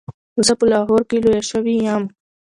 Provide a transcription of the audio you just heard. زه په لاهور کې لویه شوې یم.